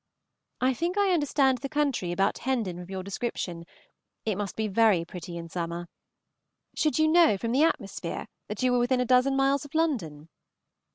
I think I understand the country about Hendon from your description. It must be very pretty in summer. Should you know from the atmosphere that you were within a dozen miles of London?